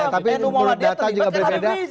tapi berdata juga berbeda